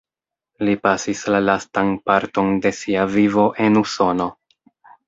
Li pasis la lastan parton de sia vivo en Usono.